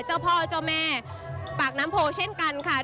เจ้าพ่อเจ้าแม่ปากน้ำโพเช่นกันค่ะ